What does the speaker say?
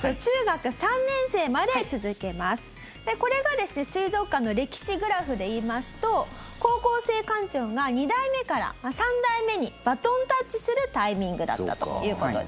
このねこれがですね水族館の歴史グラフでいいますと高校生館長が２代目から３代目にバトンタッチするタイミングだったという事ですね。